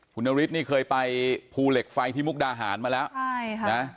คุณนฤทธินี่เคยไปภูเหล็กไฟที่มุกดาหารมาแล้วใช่ค่ะนะ